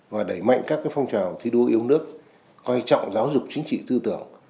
và đẩy mạnh các phong trào thi đua yêu nước coi trọng giáo dục chính trị tư tưởng